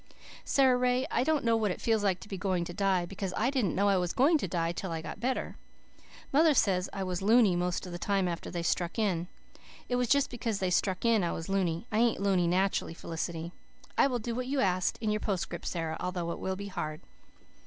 "Sara Ray, I don't know what it feels like to be going to die because I didn't know I was going to die till I got better. Mother says I was luny most of the time after they struck in. It was just because they struck in I was luny. I ain't luny naturally, Felicity. I will do what you asked in your postscript, Sara, although it will be hard.